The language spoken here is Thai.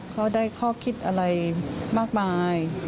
เขาได้ข้อคิดอะไรมากมาย